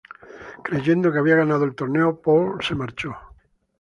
Creyendo que había ganado el torneo, Paul se marchó.